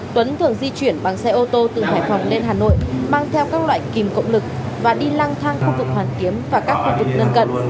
tuấn thường di chuyển bằng xe ô tô từ hải phòng lên hà nội mang theo các loại kìm cộng lực và đi lang thang khu vực hoàn kiếm và các khu vực lân cận